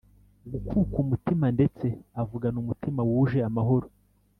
gukuka umutima ndetse avugana umutima wuje amahoro